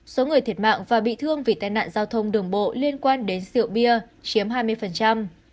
số người thiệt mạng và bị thương vì tai nạn giao thông đường bộ liên quan đến rượu bia chiếm hai mươi